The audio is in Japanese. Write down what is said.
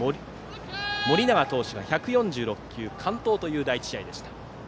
盛永投手が１４６球完投という第１試合でした。